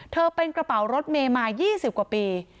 เธอเป็นกระเป๋ารถเมย์มา๒๐กว่าปี